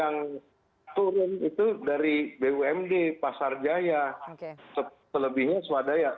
yang turun itu dari bumd pasar jaya selebihnya swadaya